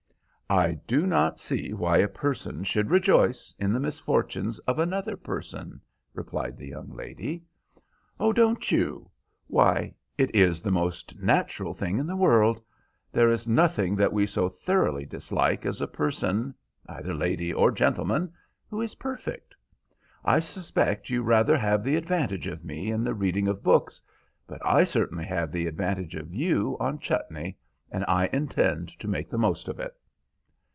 "I do not see why a person should rejoice in the misfortunes of another person," replied the young lady. "Oh, don't you? Why, it is the most natural thing in the world. There is nothing that we so thoroughly dislike as a person, either lady or gentleman, who is perfect. I suspect you rather have the advantage of me in the reading of books, but I certainly have the advantage of you on chutney, and I intend to make the most of it."